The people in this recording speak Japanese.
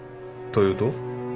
というと？